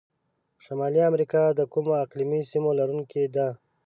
شمالي امریکا د کومو اقلیمي سیمو لرونکي ده؟